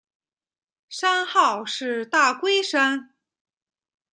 山号是大龟山。